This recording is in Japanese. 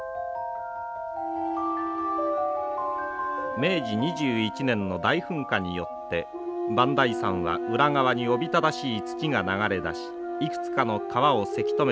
明治２１年の大噴火によって磐梯山は裏側におびただしい土が流れ出しいくつかの川をせき止めてしまいました。